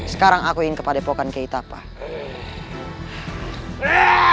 sekarang aku ingin kepada pokokan keitapan